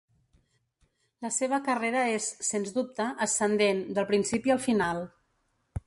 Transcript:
La seva carrera és, sens dubte, ascendent, del principi al final.